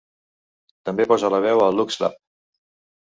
També posa la veu a l'Ugslap.